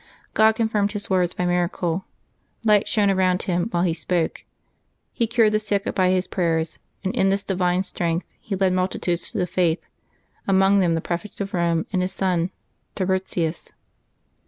God con firmed his words by miracle : light shone around him while he spoke; he cured the sick by his prayers; and in this divine strength he led multitudes to the faith, among them the Prefect of Eome, with his son Tiburtius.